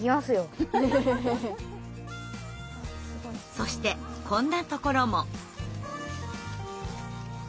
そしてこんなところも。